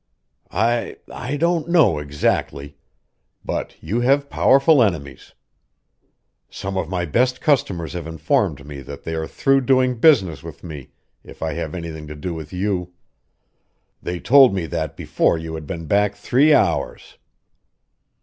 "I I don't know, exactly. But you have powerful enemies. Some of my best customers have informed me that they are through doing business with me if I have anything to do with you. They told me that before you had been back three hours."